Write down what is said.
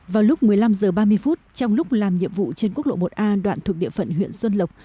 vào lúc một mươi năm h ba mươi trong lúc làm nhiệm vụ trên quốc lộ một a đoạn thuộc địa phận huyện xuân lộc